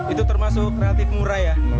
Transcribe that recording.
itu termasuk relatif murah ya